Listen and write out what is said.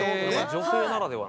女性ならではの。